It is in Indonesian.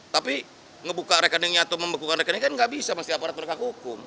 tapi ngebuka rekeningnya atau membekukan rekening kan nggak bisa pasti aparat penegak hukum